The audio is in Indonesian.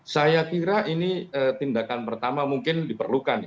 saya kira ini tindakan pertama mungkin diperlukan